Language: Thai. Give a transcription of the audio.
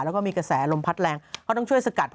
แล้วก็มีกระแสลมพัดแรงเขาต้องช่วยสกัด